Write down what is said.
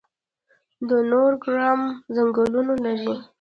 د نورګرام ځنګلونه لري